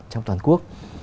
trong toàn quốc